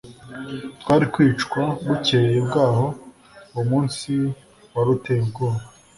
twari kwicwa bukeye bwaho uwo munsi wari uteye ubwoba